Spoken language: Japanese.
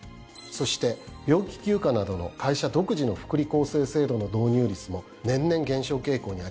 そして病気休暇などの会社独自の福利厚生制度の導入率も年々減少傾向にあります。